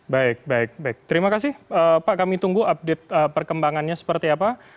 baik baik terima kasih pak kami tunggu update perkembangannya seperti apa